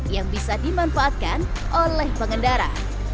yang bisa dimanfaatkan oleh pengendara